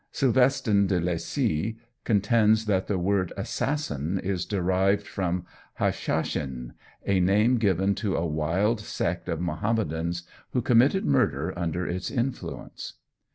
Silvestin de Lacy contends that the word assassin is derived from "hashishin," a name given to a wild sect of Mahomedans who committed murder under its influence.